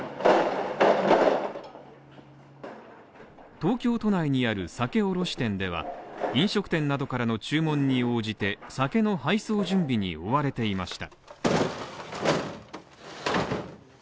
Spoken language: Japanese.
東京都内にある酒卸店では、飲食店などからの注文に応じて酒の配送準備に追われていました。